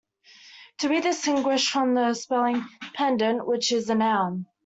To be distinguished from the spelling "pendant" which is the noun.